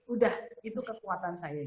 udah itu kekuatan saya